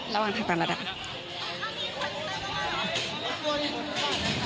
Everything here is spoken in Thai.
ระวังระวังระวัง